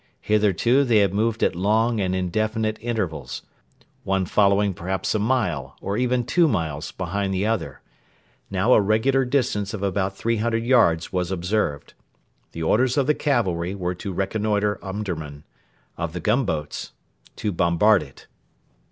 Hitherto they had moved at long and indefinite intervals one following perhaps a mile, or even two miles, behind the other. Now a regular distance of about 300 yards was observed. The orders of the cavalry were to reconnoitre Omdurman; of the gunboats to bombard it.